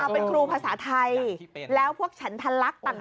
เป็นครูภาษาไทยแล้วพวกฉันทะลักษณ์ต่าง